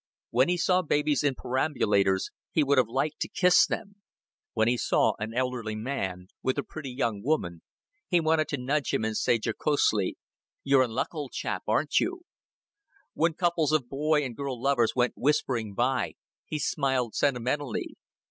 When he saw babies in perambulators, he would have liked to kiss them. When he saw an elderly man with a pretty young woman, he wanted to nudge him and say jocosely, "You're in luck, old chap, aren't you?" When couples of boy and girl lovers went whispering by, he smiled sentimentally.